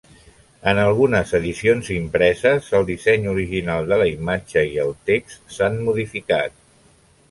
En algunes edicions impreses, el disseny original de la imatge i el text s'han modificat.